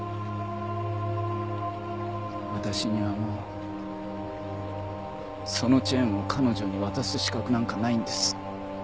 私にはもうそのチェーンを彼女に渡す資格なんかないんです。